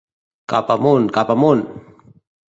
Cap amunt, cap amunt!